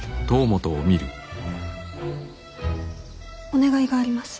お願いがあります。